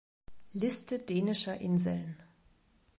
Liste dänischer Inseln